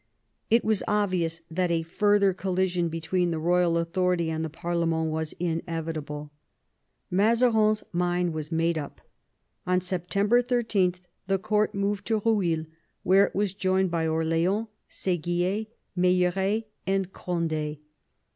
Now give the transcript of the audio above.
It was obvious that a further collision between the royal authority and the parlement was inevitable. Mazarin's mind was made up. On September 13 the court moved to Rueil, where it was joined by Orleans, Seguier, Meilleraye, and Cond^.